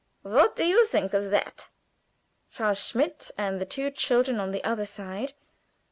what do you think of that?" Frau Schmidt and the two children on the other side.